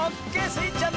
スイちゃん